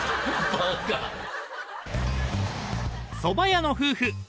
［そば屋の夫婦